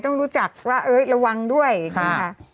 ต้องรู้จักว่าเอ๊ะระวังด้วยใช่ไหมคะ